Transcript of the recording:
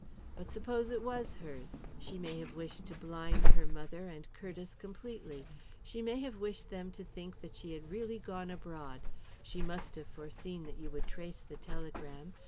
But suppose it was hers. She may have wished to blind her mother and Curtiss completely she may have wished them to think that she had really gone abroad she must have foreseen that you would trace the telegram.